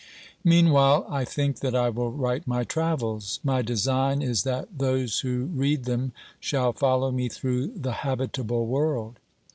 Meanwhile I think that I will write my travels. My design is that those who read them shall follow me through the habitable world.